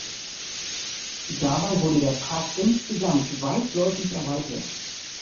Dabei wurde der Park insgesamt weitläufig erweitert.